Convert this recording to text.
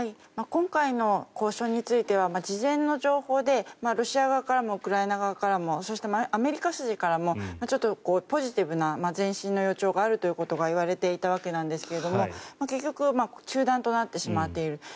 今回の交渉については事前の情報でロシア側からもウクライナ側からもそしてアメリカ筋からもちょっとポジティブな前進の予兆があるといわれていたわけなんですが結局、中断となってしまっている。